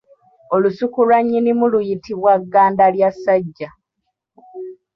Olusuku lwa nnyinimu luyitibwa ggandalyassajja